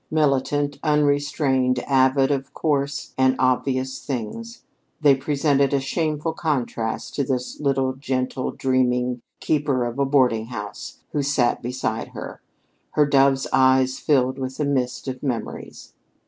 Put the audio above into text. Militant, unrestrained, avid of coarse and obvious things, they presented a shameful contrast to this little, gentle, dreaming keeper of a boarding house who sat beside her, her dove's eyes filled with the mist of memories.